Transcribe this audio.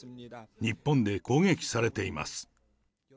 日本で攻撃されています。